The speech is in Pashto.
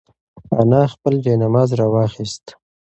انا خپل جاینماز راواخیست.